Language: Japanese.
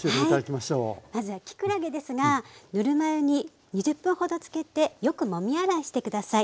まずはきくらげですがぬるま湯に２０分ほどつけてよくもみ洗いして下さい。